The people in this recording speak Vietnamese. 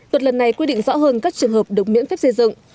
luật lần này quy định rõ hơn các trường hợp được miễn phép xây dựng